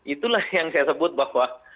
itulah yang saya sebut bahwa